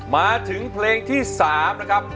มาถึงเพลงที่๓นะครับ